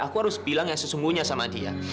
aku harus bilang yang sesungguhnya sama dia